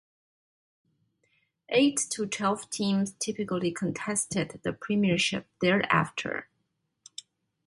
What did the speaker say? Eight to twelve teams typically contested the premiership thereafter.